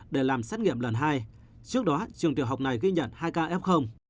để làm xét nghiệm lần hai trước đó trường trường học này ghi nhận hai kf